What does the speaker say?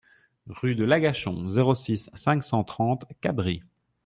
Rue de l'Agachon, zéro six, cinq cent trente Cabris